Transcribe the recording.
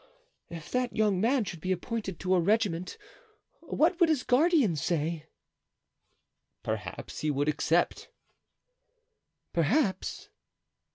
"If that young man should be appointed to a regiment what would his guardian say?" "Perhaps he would accept." "Perhaps?"